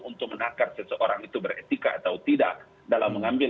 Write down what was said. untuk menakar seseorang itu beretika atau tidak dalam mengambil